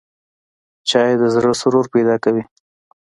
چای د زړه سرور پیدا کوي